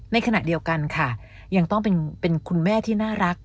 ในขณะเดียวกันค่ะยังต้องเป็นคุณแม่ที่น่ารัก